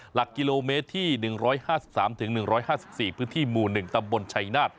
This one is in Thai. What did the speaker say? หลักกิโลเมตรที่๑๕๓๑๕๔พื้นที่หมู่๑ตำบลชัยนาฏ